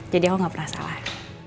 jadi aku gak pernah salah